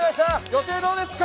予定どうですか！